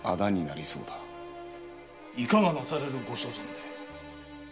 いかがなされるご所存で？